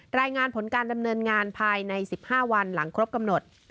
รายงานผลการดำเนินงานภายใน๑๕วันหลังครบกำหนด